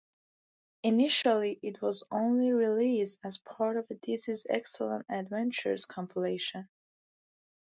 Initially it was only released as part of the Dizzy's Excellent Adventures compilation.